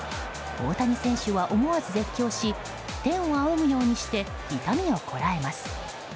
大谷選手は思わず絶叫し天を仰ぐようにして痛みをこらえます。